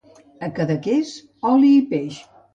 A Cadaqués, oli i peix.